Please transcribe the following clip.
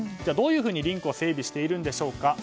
どういうふうにリンクを整備しているんでしょうか。